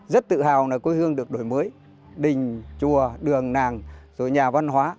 rất tự hào là quê hương được đổi mới đình chùa đường nàng rồi nhà văn hóa